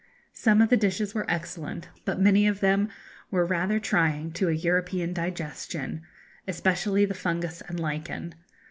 Some of the dishes were excellent, but many of them were rather trying to a European digestion, especially the fungus and lichen.